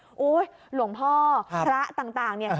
โหหลวงพ่อพระต่างนี่